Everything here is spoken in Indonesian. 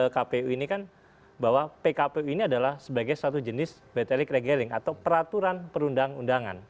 kpu ini kan bahwa pkpu ini adalah sebagai satu jenis betelic regeling atau peraturan perundang undangan